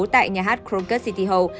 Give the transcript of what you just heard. tại nhà hát kronkert city hall